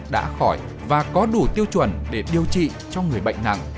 đã khỏi và có đủ tiêu chuẩn để điều trị cho người bệnh nặng